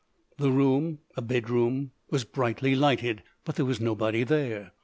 The room—a bedroom—was brightly lighted; but there was nobody there.